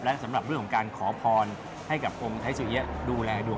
และสำหรับเรื่องของการขอพรให้กับองค์ไทยสุเอี๊ยะดูแลดวง